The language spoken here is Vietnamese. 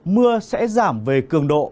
mưa sẽ giảm về cường độ